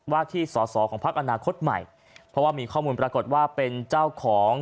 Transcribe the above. ว่าที่สอสอของพักอนาคตใหม่เพราะว่ามีข้อมูลปรากฏว่าเป็นเจ้าของ